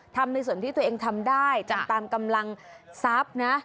ในส่วนที่ตัวเองทำได้จำตามกำลังทรัพย์นะ